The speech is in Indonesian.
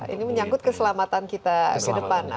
ini menyangkut keselamatan kita ke depan